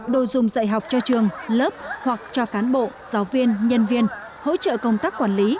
đồ dùng dạy học cho trường lớp hoặc cho cán bộ giáo viên nhân viên hỗ trợ công tác quản lý